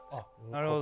なるほど。